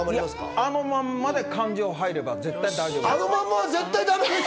あのまんまで感情が入れば通ると思います。